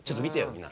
みんな。